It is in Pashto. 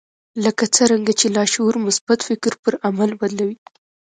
لکه څرنګه چې لاشعور مثبت فکر پر عمل بدلوي